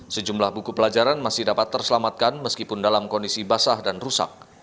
sejumlah buku pelajaran masih dapat terselamatkan meskipun dalam kondisi basah dan rusak